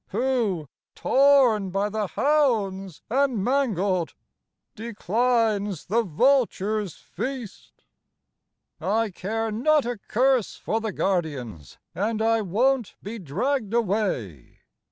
Who, torn by the hounds and mangled. Declines the vulture's feast *' I care not a^curse for the guardians, And I won't be dragged away.